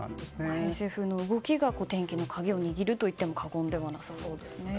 偏西風の動きが天気の鍵を握るといっても過言ではなさそうですね。